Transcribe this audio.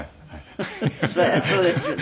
そりゃそうですよね。